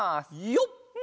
よっ！